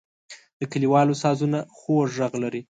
د کلیوالو سازونه خوږ غږ لري.